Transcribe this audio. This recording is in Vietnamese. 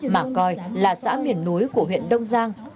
mà coi là xã miền núi của huyện đông giang